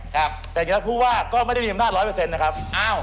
ครับแต่จริงแล้วผู้ว่าก็ไม่ได้มีอำนาจร้อยเปอร์เซ็นต์นะครับ